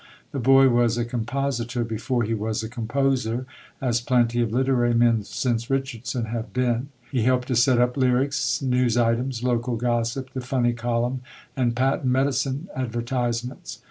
The boy was a compositor before he was a composer, as plenty of literary men since Richardson have been; he helped to set up lyrics, news items, local gossip, the funny column, and patent medicine advertisements.